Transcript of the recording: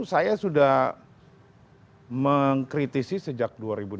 saya sudah mengkritisi sejak dua ribu delapan belas